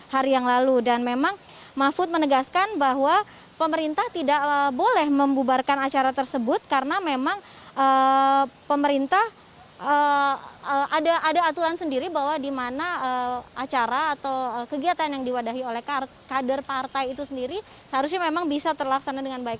hari yang lalu dan memang mahfud menegaskan bahwa pemerintah tidak boleh membubarkan acara tersebut karena memang pemerintah ada aturan sendiri bahwa di mana acara atau kegiatan yang diwadahi oleh kader partai itu sendiri seharusnya memang bisa terlaksana dengan baik